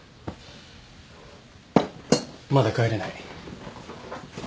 まだ帰れない。